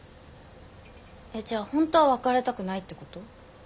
えっじゃあ本当は別れたくないってこと？